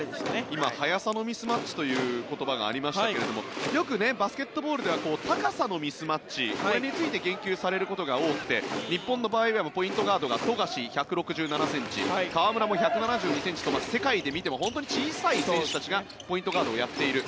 今、速さのミスマッチという言葉がありましたがよくバスケットボールでは高さのミスマッチそれについて言及されることが多くて日本の場合でもポイントガードが富樫、１６７ｃｍ河村も１７２ｃｍと世界で見ても本当に小さい選手たちがポイントガードをやっている。